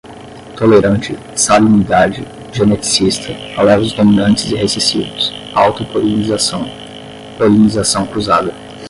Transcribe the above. tolerante, salinidade, geneticista, alelos dominantes e recessivos, autopolinização, polinização cruzada